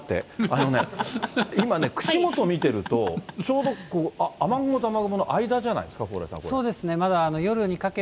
あのね、今ね、串本見てると、ちょうど、雨雲と雨雲の間じゃないですか？